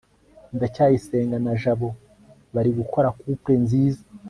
ndacyayisenga na jabo bari gukora couple nziza